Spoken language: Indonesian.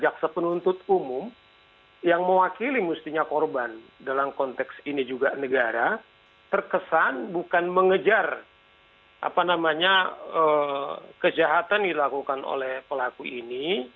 jadi bahwa jaksa penuntut umum yang mewakili mestinya korban dalam konteks ini juga negara terkesan bukan mengejar kejahatan dilakukan oleh pelaku ini